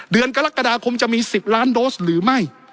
เดือนกรกฎาคมจะมี๑๐ล้านโดสหรือไม่